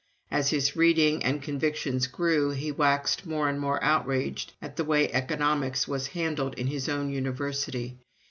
As his reading and convictions grew, he waxed more and more outraged at the way Economics was handled in his own University.